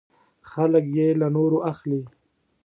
خلک یې له نورو اخلي .